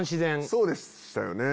そうでしたよね。